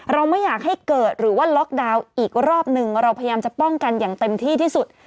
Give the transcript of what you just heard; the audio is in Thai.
เราไม่อยากให้เกิดหรือว่าล็อกดาวน์อีกรอบหนึ่งเราพยายามจะป้องกันอย่างเต็มที่ที่สุด